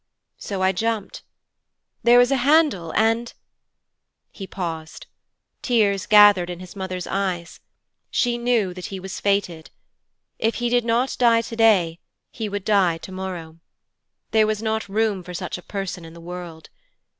So I jumped. There was a handle, and ' He paused. Tears gathered in his mother's eyes. She knew that he was fated. If he did not die today he would die tomorrow. There was not room for such a person in the world.